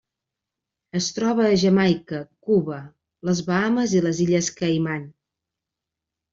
Es troba a Jamaica, Cuba, les Bahames i les Illes Caiman.